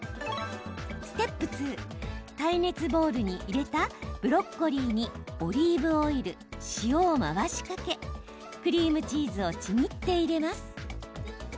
ステップ２、耐熱ボールに入れたブロッコリーにオリーブオイル、塩を回しかけクリームチーズをちぎって入れます。